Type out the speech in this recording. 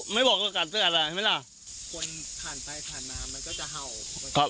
ไม่มาบอกกลัดเรื่องอะเห็นมั้ยล่ะ